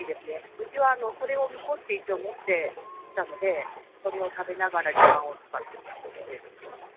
うちはこれを見越して一応持ってきたのでそれを食べながら時間を使っている。